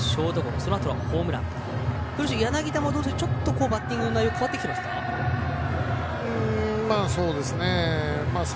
そのあとはホームラン柳田はちょっとバッティングの内容変わってきていますか？